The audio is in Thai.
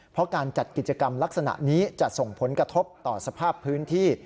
เพราะการจัดกิจกรรมลักษณะนี้จะส่งผลกระทบต่อสภาพพื้นที่